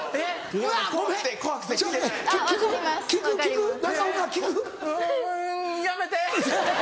うんやめて。